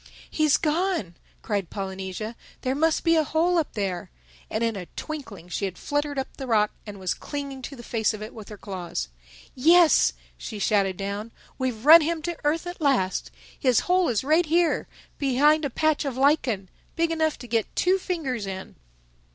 "He's gone," cried Polynesia. "There must be a hole up there." And in a twinkling she had fluttered up the rock and was clinging to the face of it with her claws. "Yes," she shouted down, "we've run him to earth at last. His hole is right here, behind a patch of lichen—big enough to get two fingers in."